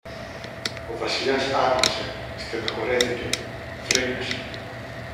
Ο Βασιλιάς άναψε, στενοχωρέθηκε, φρένιασε.